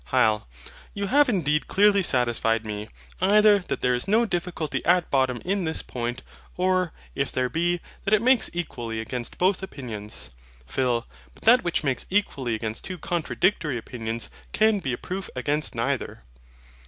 HYL. You have indeed clearly satisfied me either that there is no difficulty at bottom in this point; or, if there be, that it makes equally against both opinions. PHIL. But that which makes equally against two contradictory opinions can be a proof against neither.